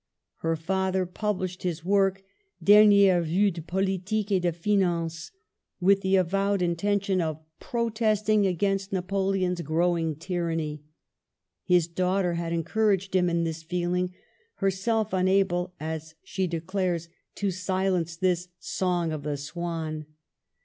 Her father pub lished his work, Derntires Vues de Politique etde Finance, with the avowed intention of protest ing against Napoleon's growing tyranny. His daughter had encouraged him in this feeling, her self unable, as she declares, to silence this " Song of the Swan."